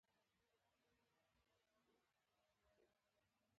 د روحي فشار لپاره د څه شي اوبه وڅښم؟